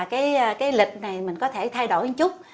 cái lịch này mình có thể thay đổi chút